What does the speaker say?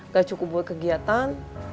gak cukup buat kegiatan